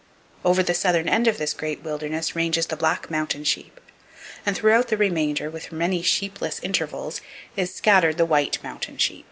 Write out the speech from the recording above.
Over the southern end of this great wilderness ranges the black mountain sheep, and throughout the remainder, with many sheepless intervals, is scattered the white mountain sheep.